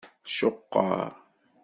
Ceqqer.